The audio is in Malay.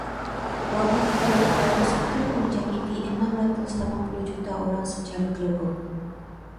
Wabak koronavirus itu menjangkiti enam ratus lapan puluh juta orang secara global.